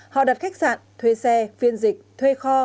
họ đặt khách sạn thuê xe phiên dịch thuê kho và mua một trăm linh tấn